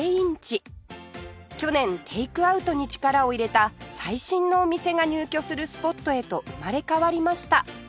去年テイクアウトに力を入れた最新のお店が入居するスポットへと生まれ変わりました